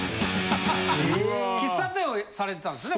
喫茶店をされてたんですね